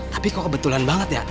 tapi kok kebetulan banget ya